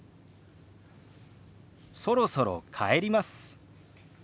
「そろそろ帰ります」。